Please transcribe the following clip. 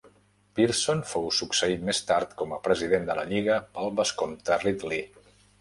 Pearson fou succeït més tard com a president de la lliga pel vescomte Ridley.